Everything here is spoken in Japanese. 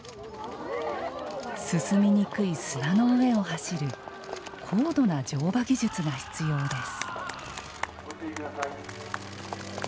進みにくい砂の上を走る高度な乗馬技術が必要です。